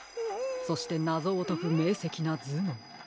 そしてなぞをとくめいせきなずのう。